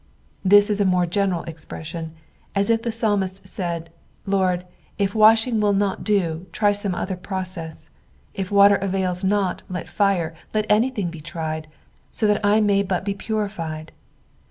This is a more general expression : as if the psdlmi^t said, " Lord, i! wushing will not do, try some other process : if water avails not, let fire, let anything be tried, so that I may but be purified.